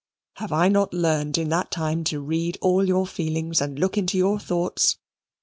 Have I not learned in that time to read all your feelings and look into your thoughts?